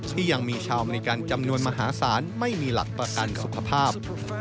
ที่ยังมีชาวอเมริกันจำนวนมหาศาลไม่มีหลักประกันสุขภาพ